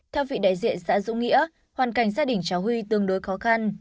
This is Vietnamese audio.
theo vị đại diện xã dũng nghĩa hoàn cảnh gia đình cháu huy tương đối khó khăn